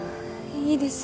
いいです